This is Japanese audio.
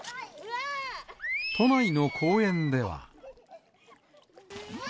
都内の公園では。